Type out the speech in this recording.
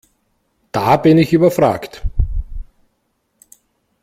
Da bin ich überfragt.